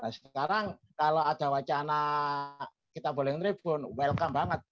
sekarang kalau ada wacana kita boleh tribun welcome banget